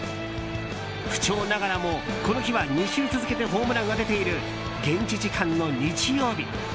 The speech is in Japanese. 不調ながらもこの日は２週続けてホームランが出ている現地時間の日曜日。